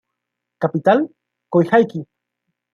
Capital: Coyhaique.